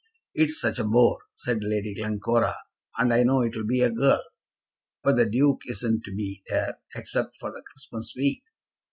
"It is such a bore," said Lady Glencora, "and I know it will be a girl. But the Duke isn't to be there, except for the Christmas week."